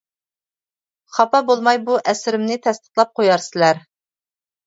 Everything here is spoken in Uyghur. خاپا بولماي بۇ ئەسىرىمنى تەستىقلاپ قويارسىلەر.